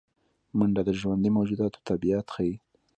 منډه د ژوندي موجوداتو طبیعت ښيي